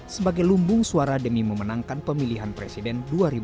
sebagai lumbung suara demi memenangkan pemilihan presiden dua ribu sembilan belas